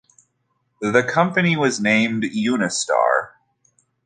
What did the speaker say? The new company was named Unistar.